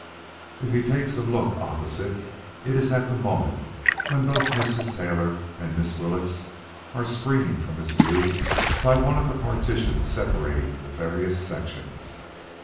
If he takes a look opposite, it is at the moment when both Mrs. Taylor and Miss Willetts are screened from his view by one of the partitions separating the various sections.